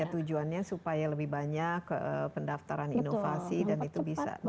tujuannya supaya lebih banyak pendaftaran inovasi dan itu bisa